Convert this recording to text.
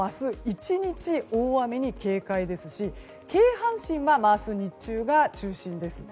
１日、大雨に警戒ですし京阪神は明日日中が中心です。